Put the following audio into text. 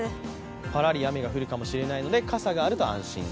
ぱらり雨が降るかもしれないので傘があると安心。